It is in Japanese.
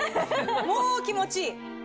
もう気持ちいい！